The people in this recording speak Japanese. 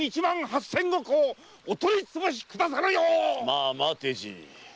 まあ待てじい。